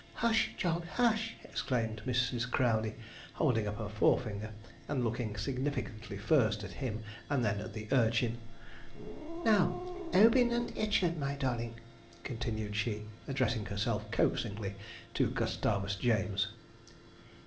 'Hush! Jog, hush!' exclaimed Mrs. Crowdey, holding up her forefinger, and looking significantly first at him, and then at the urchin. 'Now, "Obin and Ichard," my darling,' continued she, addressing herself coaxingly to Gustavus James.